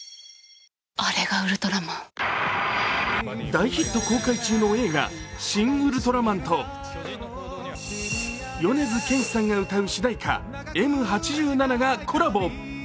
大ヒット公開中の映画「シン・ウルトラマン」と米津玄師さんが歌う主題歌「Ｍ八七」がコラボ。